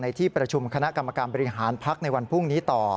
ที่ประชุมคณะกรรมการบริหารพักในวันพรุ่งนี้ต่อ